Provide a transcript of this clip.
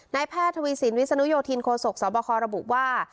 นายแพทย์ธวิสินวิสุนูยโถโทิณโคโศกสบครบุว่า